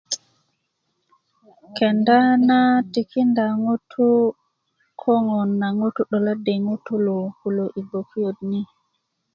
kenda na tikinda ŋutu' koŋon naŋ ŋutu' 'doladi ŋutulu kulo i gbokiyot ni